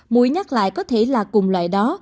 mũi nhắc lại có thể là cùng loại đó